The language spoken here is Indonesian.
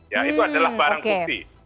ya itu adalah barang bukti